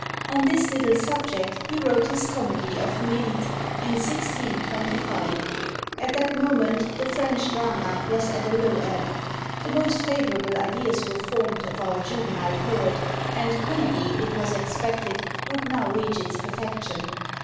On this little subject he wrote his comedy of Mélite, in 1625. At that moment the French drama was at a low ebb: the most favourable ideas were formed of our juvenile poet, and comedy, it was expected, would now reach its perfection.